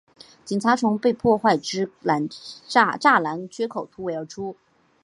警察从被破坏之栅栏缺口突围而出